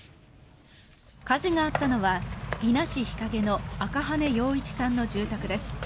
火事があったのは伊那市日影の赤羽洋一さんの住宅です。